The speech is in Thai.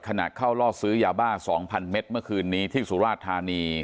ขนาดเข้าลอดซื้อยาบ้าสองพันเม็ดเมื่อคืนนี้ที่สุราชธานี